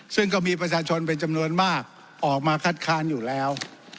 ซึ่งก็มีประชาชนเป็นจำนวนมากออกมาคัดค้านอยู่แล้ว